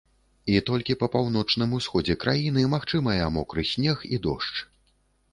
І толькі па паўночным усходзе краіны магчымыя мокры снег і дождж.